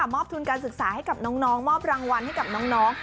มอบทุนการศึกษาให้กับน้องมอบรางวัลให้กับน้อง